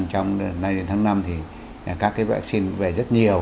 trong nay đến tháng năm thì các vaccine về rất nhiều